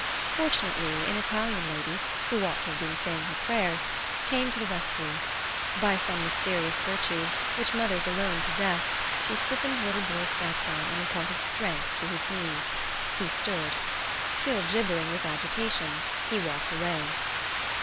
Fortunately an Italian lady, who ought to have been saying her prayers, came to the rescue. By some mysterious virtue, which mothers alone possess, she stiffened the little boy's back bone and imparted strength to his knees. He stood. Still gibbering with agitation, he walked away.